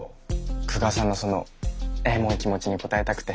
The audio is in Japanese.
久我さんのそのエモい気持ちに応えたくて。